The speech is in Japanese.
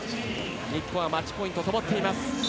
日本はマッチポイントともっています。